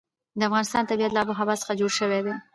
د افغانستان طبیعت له آب وهوا څخه جوړ شوی دی.